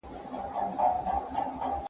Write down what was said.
له بې وزلو سره په عمل کي مرسته وکړئ.